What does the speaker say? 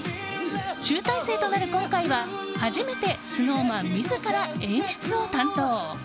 集大成となる今回は初めてＳｎｏｗＭａｎ自ら演出を担当。